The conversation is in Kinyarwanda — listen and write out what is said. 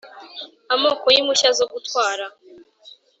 amoko yi mpushya zo gutwara